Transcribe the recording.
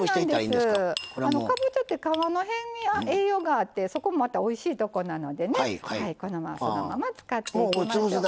かぼちゃって皮の辺に栄養がありますのでそこもまたおいしいところなのでここもそのまま使っていきます。